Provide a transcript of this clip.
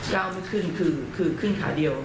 ไม่ขึ้นคือขึ้นขาเดียว